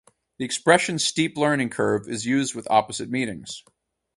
The expression steep learning curve is used with opposite meanings.